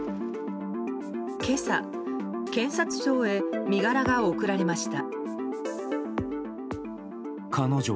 今朝、検察庁へ身柄が送られました。